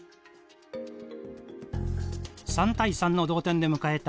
３対３の同点で迎えた